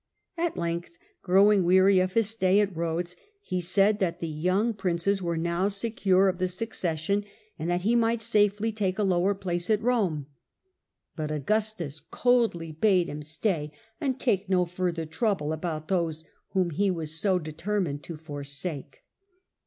At length, growing weary of his stay at Rhodes, he said that the young He wished pHnces were now secure of the succession, and that he might safely take a lower place at was not Rome. But Augustus coldly bade him stay allowed. further trouble about those whom he was so determined to forsake.